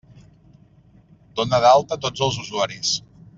Dona d'alta tots els usuaris!